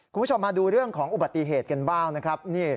คุณผู้ชมมาดูเรื่องของอุบัติเหตุกันบ้างนะครับ